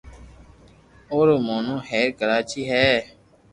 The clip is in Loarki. اورو موٽو ھير ڪراچي ھي